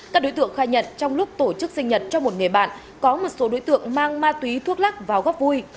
các đối tượng khai nhận trong lúc tổ chức sinh nhật cho một người bạn có một số đối tượng mang ma túy thuốc lắc vào góc vui